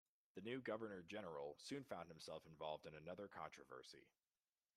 The new Governor-General soon found himself involved in another controversy.